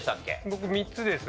僕３つです。